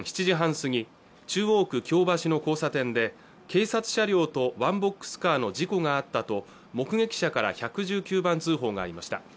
過ぎ中央区京橋の交差点で警察車両とワンボックスカーの事故があったと目撃者から１１９番通報がありました